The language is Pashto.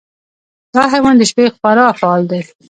دا حیوان د شپې خورا فعال دی.